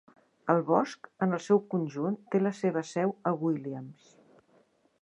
El bosc en el seu conjunt té la seva seu a Williams.